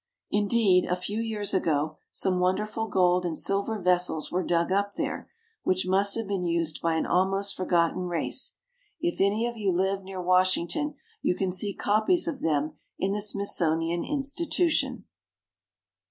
Indeed, a few years ago, some wonderful gold and silver vessels were dug up there, which must have been used by an almost forgotten race. If any of you live near Washington, you can see copies of them in the Smithsonian Institution.